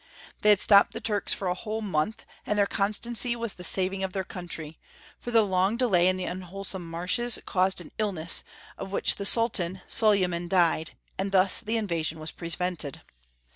They J \ Maximilian U. 311 had stopped the Turks for a whole month, and their constancy was the saving of their country, for the long delay in the miwholesome marshes caused an illness, of which the Sultan, Solyman died, and thus the invasion was prevented.